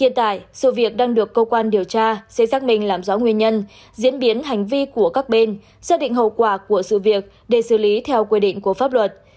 hiện tại sự việc đang được cơ quan điều tra sẽ xác minh làm rõ nguyên nhân diễn biến hành vi của các bên xác định hậu quả của sự việc để xử lý theo quy định của pháp luật